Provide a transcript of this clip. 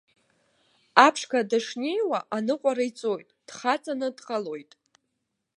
Аԥшқа дышнеиуа аныҟәара иҵоит, дхаҵаны дҟалоит.